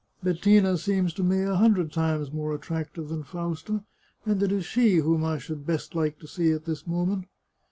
" Bettina seems to me a hundred times more attractive than Fausta, and it is she whom I should best like to see at this moment."